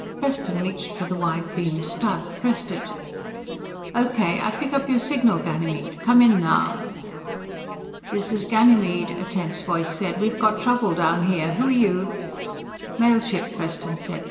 Preston reached for the wide beam stud, pressed it. "Okay, I pick up your signal, Ganymede. Come in, now!" "This is Ganymede," a tense voice said. "We've got trouble down here. Who are you?" "Mail ship," Preston said.